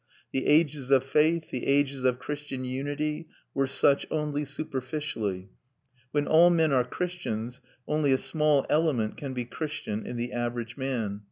The ages of faith, the ages of Christian unity, were such only superficially. When all men are Christians only a small element can be Christian in the average man.